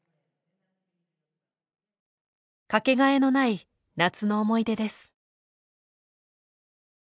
かけがえのない夏の思い出です。